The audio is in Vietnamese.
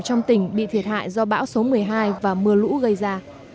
trong tỉnh bị thiệt hại do bão số một mươi hai và mưa lũ gây ra